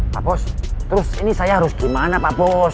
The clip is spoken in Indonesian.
pak bos terus ini saya harus gimana pak bos